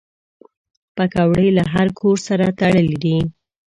پکورې له هر کور سره تړلي دي